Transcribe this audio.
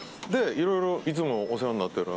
いろいろいつもお世話になってる方